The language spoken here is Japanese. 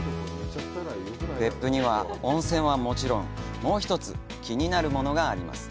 別府には、温泉はもちろんもう一つ気になるものがあります。